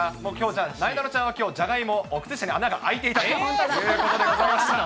じゃあ、なえなのちゃんはじゃがいも、靴下に穴が開いていたということでございました。